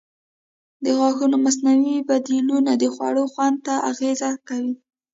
د غاښونو مصنوعي بدیلونه د خوړو خوند ته اغېز کوي.